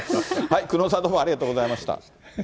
久能さん、どうもありがとうございました。